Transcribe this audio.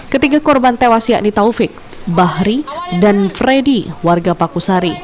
ketiga korban tewas yakni taufik bahri dan freddy warga pakusari